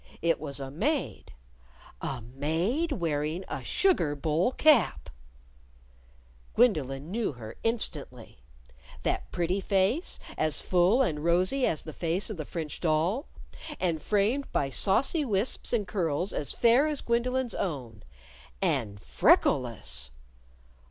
It was a maid a maid wearing a sugar bowl cap. Gwendolyn knew her instantly that pretty face, as full and rosy as the face of the French doll, and framed by saucy wisps and curls as fair as Gwendolyn's own and freckleless!